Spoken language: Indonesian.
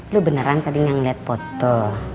lu beneran tadi ngeliat foto